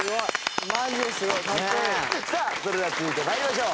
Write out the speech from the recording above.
それでは続いて参りましょう。